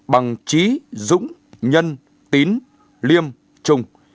bằng trí dũng nhân tín liêm trùng